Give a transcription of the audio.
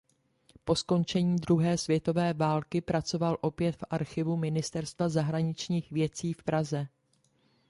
Po skončení druhé světové války pracoval opět v archivu ministerstva zahraničních věcí v Praze.